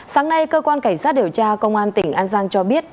sáng nay cơ quan cảnh sát điều tra công an tỉnh an giang cho biết